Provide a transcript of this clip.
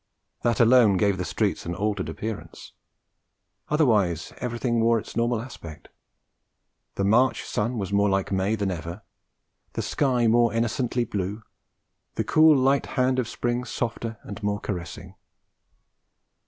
That alone gave the streets an altered appearance; otherwise everything wore its normal aspect; the March sun was more like May than ever, the sky more innocently blue, the cool light hand of spring softer and more caressing.